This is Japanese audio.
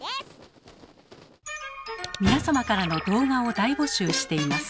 皆様からの動画を大募集しています。